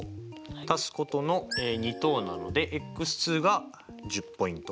足すことの２等なのでｘが１０ポイント。